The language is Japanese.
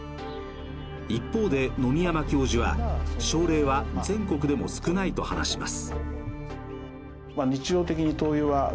一方で野見山教授は、症例は全国でも少ないと話します。